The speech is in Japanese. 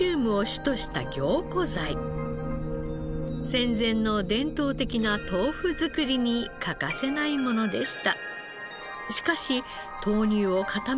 戦前の伝統的な豆腐作りに欠かせないものでした。